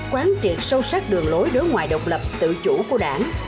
quan triệt sâu sắc đường lối đối ngoại độc lập từ chủ của đảng